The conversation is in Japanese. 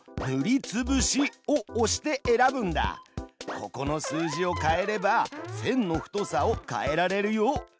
ここの数字を変えれば線の太さを変えられるよ。